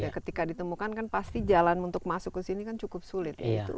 ketika ditemukan kan pasti jalan untuk masuk ke sini kan cukup sulit